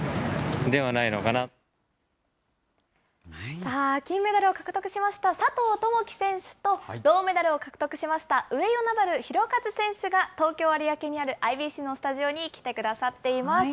さあ、金メダルを獲得しました佐藤友祈選手と、銅メダルを獲得しました上与那原寛和選手が、東京・有明にあるＩＢＣのスタジオに来てくださっています。